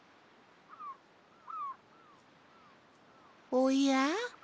おや。